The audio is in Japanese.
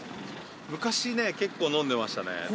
昔ね、結構飲んでましたね。